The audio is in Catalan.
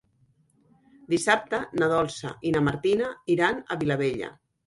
Dissabte na Dolça i na Martina iran a Vilabella.